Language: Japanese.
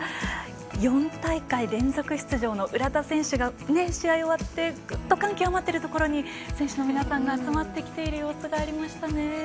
４大会連続出場の浦田選手が試合終わってぐっと感極まってるところに選手の皆さんが集まってきている様子がありました。